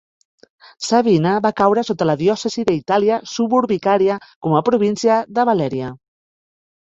Sabina va caure sota la diòcesi d'"Itàlia suburbicaria" com a província de "Valeria".